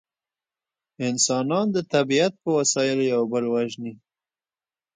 انسانان د طبیعت په وسایلو یو بل وژني